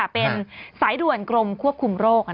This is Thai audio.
เป็นสายด่วนกรมควบคุมโรค